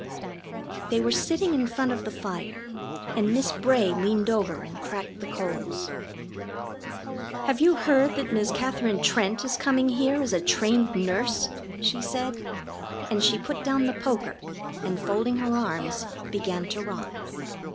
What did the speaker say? They were sitting in front of the fire, and Miss Bray leaned over and cracked the coals. "Have you heard that Miss Katherine Trent is coming here as a trained nurse?" she said, and she put down the poker, and, folding her arms, began to rock.